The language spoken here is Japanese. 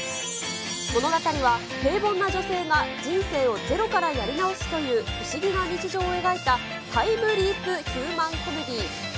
物語は平凡な女性が人生をゼロからやり直すという、不思議な日常を描いたタイムリープヒューマンコメディ。